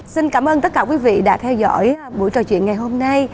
xin cảm ơn tất cả quý vị đã theo dõi buổi trò chuyện ngày hôm nay